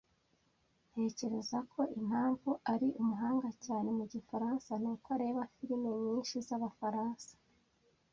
Ntekereza ko impamvu ari umuhanga cyane mu gifaransa nuko areba firime nyinshi zabafaransa.